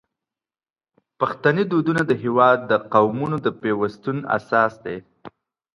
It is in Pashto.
پښتني دودونه د هیواد د قومونو د پیوستون اساس دی.